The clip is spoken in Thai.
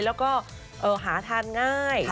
แล้วก็หาทานง่าย